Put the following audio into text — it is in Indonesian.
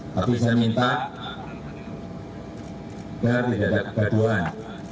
tapi saya minta agar tidak ada kegaduhan